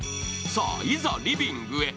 さあ、いざリビングへ。